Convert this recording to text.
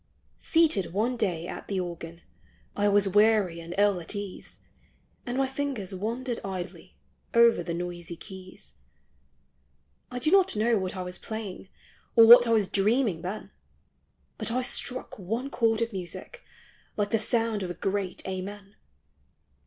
Seated one day at the organ, I was weary and ill at ease, And my fingers wandered idly Over the noisy keys. I do not know what I was playing, Or what I was dreaming then, But I struck one chord of music, Like the sound of a great Amen.